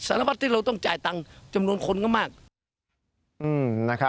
สารพัดที่เราต้องจ่ายตังค์จำนวนคนก็มาก